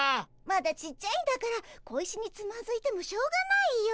まだちっちゃいんだから小石につまずいてもしょうがないよ。